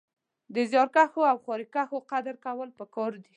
د زيارکښو او خواريکښو قدر کول پکار دی